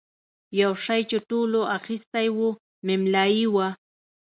یو شی چې ټولو اخیستی و مملايي وه.